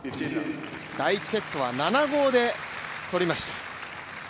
第１セットは７ー５で取りました。